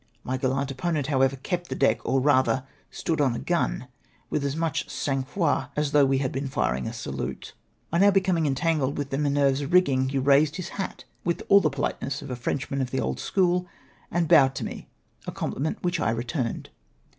My gallant opponent, however, kept the deck, or rather stood on a gun, with as much sang froid as thouo h we had been firing; a salute. On our becom ing entangled with the Minerve's rigging, he raised his hat, with all the politeness of a Frenchman of tlie old school, and bowed to me, a compUment wliich I re turned.